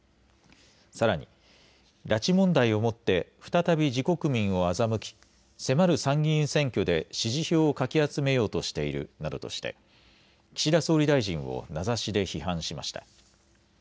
さらに拉致問題をもって再び自国民を欺き、迫る参議院選挙で支持票をかき集めようとしているなどとして岸田総理大臣を名指しで批判しました。